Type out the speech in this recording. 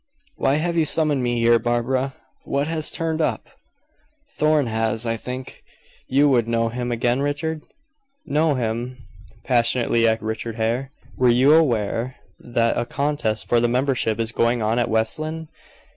"Why have you summoned me here, Barbara? What has turned up?" "Thorn has I think. You would know him again Richard?" "Know him!" passionately echoed Richard Hare. "Were you aware that a contest for the membership is going on at West Lynne?"